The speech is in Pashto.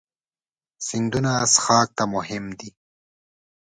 سیندونه څښاک ته مهم دي.